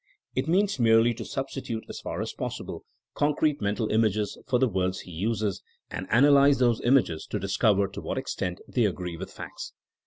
It means merely to substitute as far as possible concrete mental images for the words he uses, and analyze those images to discover to what extent they agree with facts.